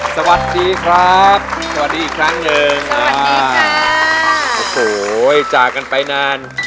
สวัสดีครับสวัสดีอีกครั้งหนึ่งอ่าโอ้โหจากกันไปนาน